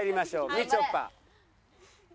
みちょぱ。